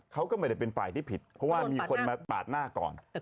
เขาก็ไม่ได้เป็นฝ่ายที่ผิดเพราะว่ามีคนมาปาดหน้าก่อน